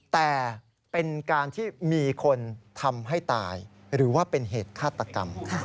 แต่เป็นการที่มีคนทำให้ตายหรือว่าเป็นเหตุฆาตกรรม